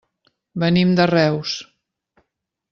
Venim de Reus.